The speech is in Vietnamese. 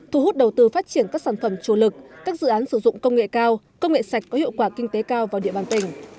thu hút đầu tư phát triển các sản phẩm chủ lực các dự án sử dụng công nghệ cao công nghệ sạch có hiệu quả kinh tế cao vào địa bàn tỉnh